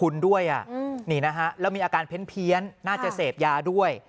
แล้วเคยไปบำบัดหรือยัง